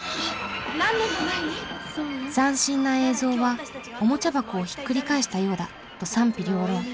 斬新な映像は「おもちゃ箱をひっくり返したようだ」と賛否両論。